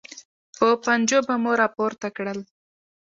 په پنجو به مو راپورته کړل.